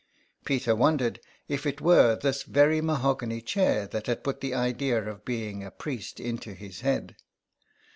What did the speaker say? Peter wondered if it were this very mahogany chair that had put the idea of being a priest into his head.